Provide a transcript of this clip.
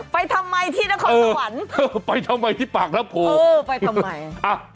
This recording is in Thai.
ไปทำไมที่นครสวรรค์เธอไปทำไมที่ปากน้ำโพเออไปทำไมอ่ะ